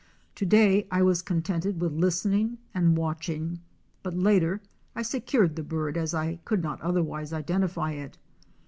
'To day I was contented with listening and watching, but later I secured the bird as I could not otherwise identify it.